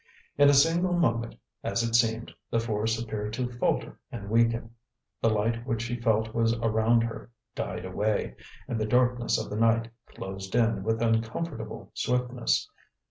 In a single moment, as it seemed, the force appeared to falter and weaken; the light which she felt was around her died away, and the darkness of the night closed in with uncomfortable swiftness.